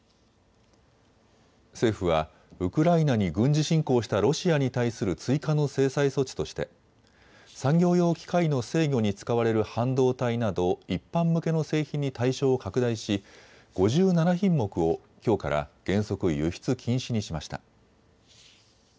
政府はウクライナに軍事侵攻したロシアに対する追加の制裁措置として産業用機械の制御に使われる半導体など一般向けの製品に対象を拡大し５７品目をきょうから原則、輸出禁止にしました。